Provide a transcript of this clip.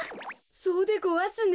そうでごわすね。